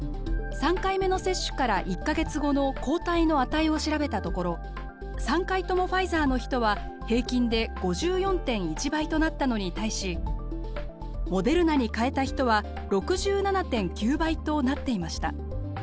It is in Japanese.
３回目の接種から１か月後の抗体の値を調べたところ３回ともファイザーの人は平均で５４．１倍となったのに対しモデルナに変えた人は６７．９倍となっていました。